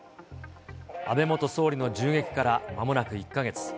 安倍元総理の銃撃からまもなく１か月。